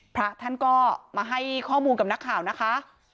พระท่านก็มาให้ข้อมูลกับนักข่าวนะคะ